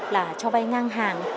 là cho bay ngang hàng